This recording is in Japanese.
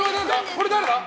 これは誰だ？